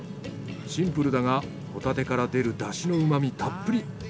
シンプルだがホタテから出るダシのうまみたっぷり。